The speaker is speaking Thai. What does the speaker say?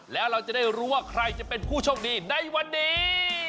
แล้วเราจะได้รู้ว่าใครจะเป็นผู้โชคดีในวันนี้